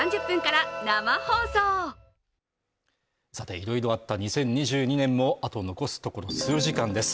いろいろあった２０２２年もあと残すところ数時間です。